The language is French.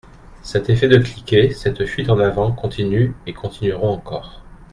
Cet effet de cliquet, cette fuite en avant continuent et continueront encore.